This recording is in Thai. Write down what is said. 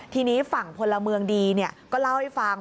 ทีนี้ฝั่งพลเมืองดีก็เล่าให้ฟัง